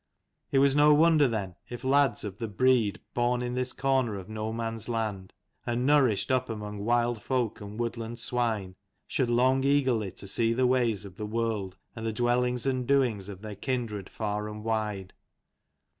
It was no wonder then, if lads of the breed, born in this corner of no man's land, and nourished up among wild folk and woodland swine, should long eagerly to see the ways of the world and the dwellings and the doings of their kindred far and wide.